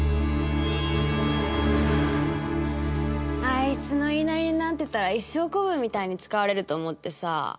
あいつの言いなりになってたら一生子分みたいに使われると思ってさ。